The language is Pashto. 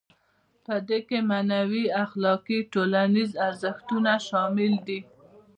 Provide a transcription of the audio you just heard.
په دې کې معنوي، اخلاقي او ټولنیز ارزښتونه شامل دي.